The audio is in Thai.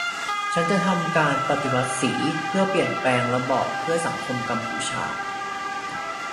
ฉันจะทำการปฏิวัติสีเพื่อเปลี่ยนแปลงระบอบเพื่อสังคมกัมพูชา